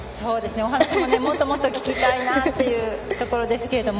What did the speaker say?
お話ももっともっと聞きたいなっていうところですが。